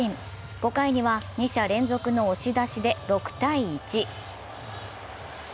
５回には２者連続の押し出しで６−１。